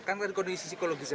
kan kan kondisi psikologis ya